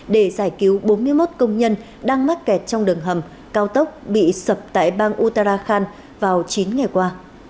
để giải cứu bốn mươi một công nhân đang mắc kẹt trong đường hầm cao tốc bị sập tại bang uttarakhand vào chín ngày qua